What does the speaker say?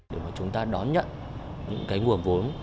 để mà chúng ta đón nhận những cái nguồn vốn